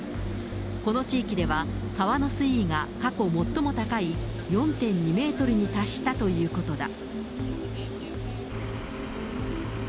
この地域では、川の水位が過去最も高い４．２メートルに達したということだ。